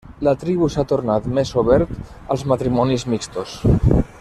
La tribu s'ha tornat més obert als matrimonis mixtos.